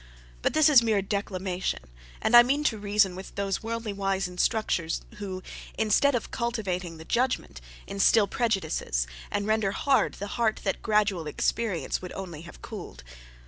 But this is mere declamation, and I mean to reason with those worldly wise instructors, who, instead of cultivating the judgment, instil prejudices, and render hard the heart that gradual experience would only have cooled.